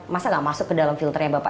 masa gak masuk ke dalam filternya bapak